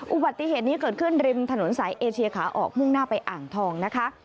อุบัติเหตุนี้เกิดขึ้นริมถนนสายเอเชียขาออกมุ่งหน้าไปอ่างทองนะคะ